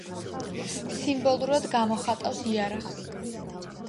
სიმბოლურად გამოხატავს იარაღს.